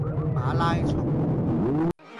馬拉松